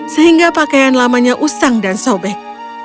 sehingga pakaian lamanya usang dan sobek